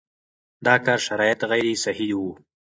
د کار شرایط غیر صحي وو